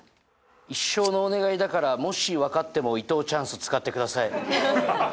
一生のお願いだからもし分かっても伊藤チャンス使ってください。